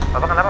papa kenapa pak